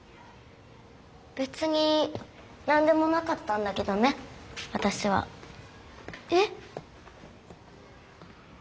べつになんでもなかったんだけどねわたしは。えっ？